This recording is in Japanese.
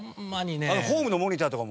あのホームのモニターとかも。